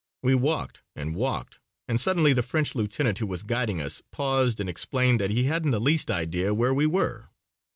We walked and walked and suddenly the French lieutenant who was guiding us paused and explained that he hadn't the least idea where we were.